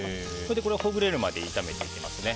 ほぐれるまで炒めていきます。